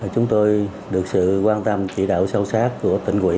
chúng tôi được sự quan tâm chỉ đạo sâu sát của tỉnh quỹ